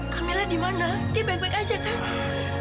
kamila kangen banget sama makan